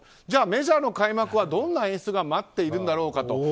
じゃあメジャーの開幕はどんな演出が待っているんだろうかと。